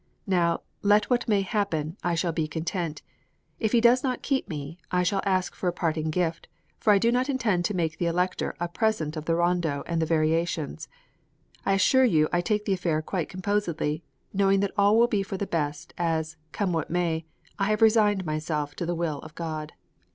Now, let what may happen, I shall be content. If he does not keep me, I shall ask for a parting gift, for I do not intend to make the Elector a present of the rondo and the variations. I assure you I take the affair quite composedly, knowing that all will be for the best, as, come what may, I have resigned myself to the will of God.